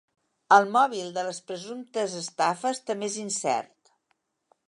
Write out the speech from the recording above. El mòbil de les presumptes estafes també és incert.